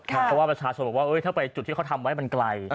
เพราะว่าประชาชนบอกว่าถ้าไปจุดที่เขาทำไว้มันไกล